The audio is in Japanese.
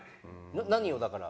何をだから？